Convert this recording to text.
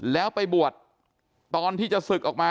แล้วไปบวชตอนที่จะศึกออกมา